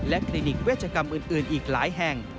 คลินิกเวชกรรมอื่นอีกหลายแห่ง